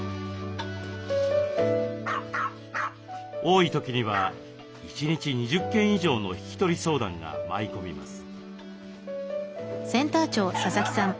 多い時には一日２０件以上の引き取り相談が舞い込みます。